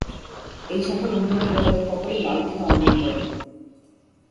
এই শাখার অনুগামীরা তাদের কপালে লাল টীকা অঙ্কন করেন।